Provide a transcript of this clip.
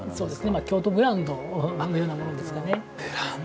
京都ブランドのようなものですかね。